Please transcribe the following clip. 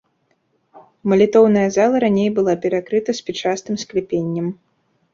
Малітоўная зала раней была перакрыта спічастым скляпеннем.